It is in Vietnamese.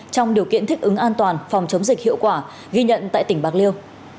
trong điều kiện thích ứng an toàn phòng chống dịch hiệu quả ghi nhận tại tỉnh bạc liêu